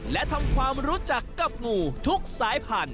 และทำความรู้จักกับงูทุกสัปดาห์